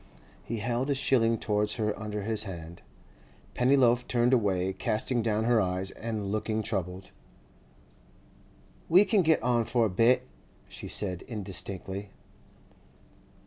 He held a shilling towards her under his hand. Pennyloaf turned away, casting down her eyes and looking troubled. 'We can get on for a bit,' she said indistinctly.